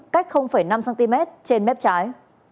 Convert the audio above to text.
cách năm cm trên mép trái